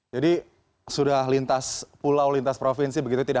jadi sudah lintas pulau lintas provinsi begitu tidak